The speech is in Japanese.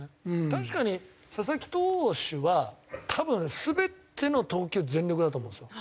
確かに佐々木投手は多分全ての投球全力だと思うんですよ。